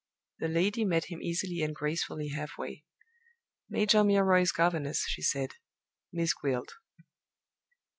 The lady met him easily and gracefully half way. "Major Milroy's governess," she said. "Miss Gwilt."